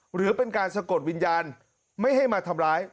หรือเป็นการสะกดวิญญาณไม่ให้มาทำร้าย